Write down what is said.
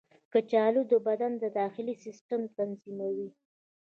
کچالو د بدن د داخلي سیسټم تنظیموي.